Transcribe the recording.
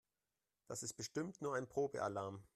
Das ist bestimmt nur ein Probealarm.